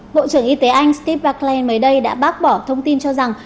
bộ trưởng y tế anh steve barclay mấy đây đã bác bỏ thông tin cho rằng